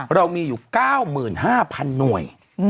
เรามีอยู่๙๕๐๐๐หน่วย